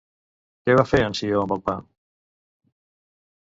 Què va fer en Ció amb el pa?